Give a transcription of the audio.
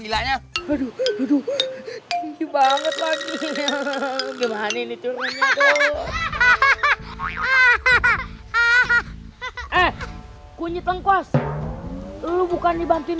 eh kunyit lengkuas lu bukan dibantuin